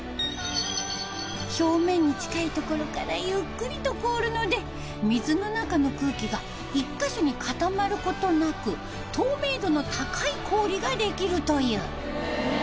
表面に近い所からゆっくりと凍るので水の中の空気が１カ所に固まる事なく透明度の高い氷ができるという。